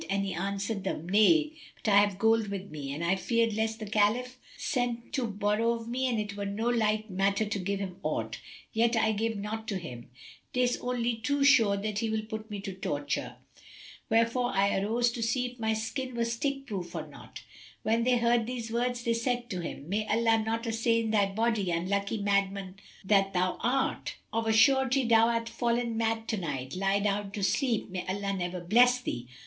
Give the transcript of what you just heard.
And he answered them, "Nay; but I have gold with me and I feared lest the Caliph send to borrow of me and it were no light matter to give him aught; yet, an I gave not to him 'tis only too sure that he would put me to the torture; wherefore I arose to see if my skin were stick proof or not." When they heard these words they said to him, "May Allah not assain thy body, unlucky madman that thou art! Of a surety thou art fallen mad to night! Lie down to sleep, may Allah never bless thee!